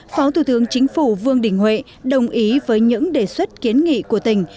phó thủ tướng chính phủ vương đình huệ đồng ý với những đề xuất kiến nghị của tỉnh